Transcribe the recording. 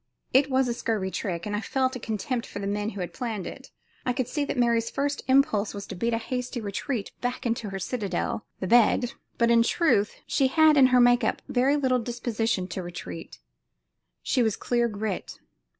It was a scurvy trick, and I felt a contempt for the men who had planned it. I could see that Mary's first impulse was to beat a hasty retreat back into her citadel, the bed, but in truth she had in her make up very little disposition to retreat. She was clear grit.